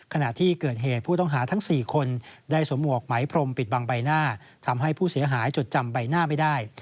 ขณะที่เกิดเหตุผู้ต้องหาทั้ง๔คนได้สวมหวกไหมพรมปิดบังใบหน้าทำให้ผู้เสียหายจดจำใบหน้าไม่ได้